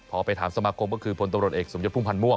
พอไปถามสมาคมก็คือพลตำรวจเอกสมยศพุ่มพันธ์ม่วง